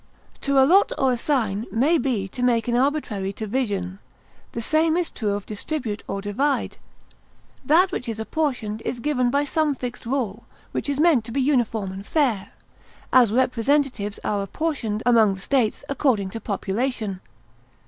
To allot or assign may be to make an arbitrary division; the same is true of distribute or divide. That which is apportioned is given by some fixed rule, which is meant to be uniform and fair; as, representatives are apportioned among the States according to population.